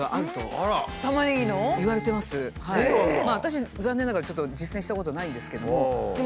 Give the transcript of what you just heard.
まあ私残念ながらちょっと実践したことないんですけども。